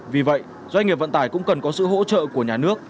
vì vậy doanh nghiệp vận tải cũng cần có sự hỗ trợ của nhà nước